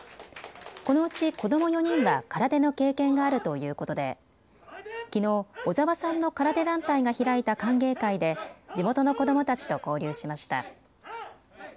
このうち子ども４人は空手の経験があるということできのう小沢さんの空手団体が開いた歓迎会で地元の子どもたちと交流しました。